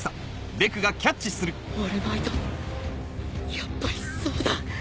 やっぱりそうだ